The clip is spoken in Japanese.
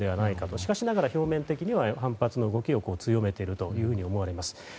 しかしながら表面的には反発の動きを強めていると思われます。